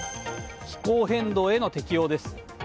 気候変動への適応です。